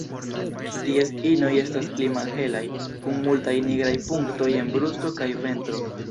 Ties inoj estas pli malhelaj, kun multaj nigraj punktoj en brusto kaj ventro.